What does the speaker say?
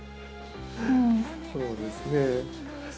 そうですね。